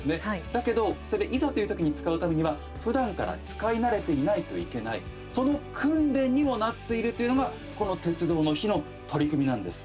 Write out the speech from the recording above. だけどいざという時に使うためにはふだんから使い慣れていないといけない、その訓練にもなっているというのがこの鉄道の日の取り組みなんです。